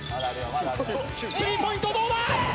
スリーポイントどうだ！？